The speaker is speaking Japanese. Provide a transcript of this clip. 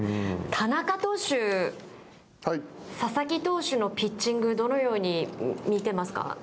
田中投手、佐々木投手のピッチング、どのように見てますか。